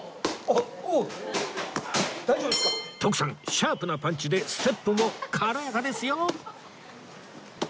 シャープなパンチでステップも軽やかですよ！